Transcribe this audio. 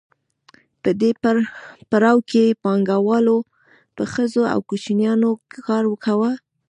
په دې پړاو کې پانګوالو په ښځو او کوچنیانو کار کاوه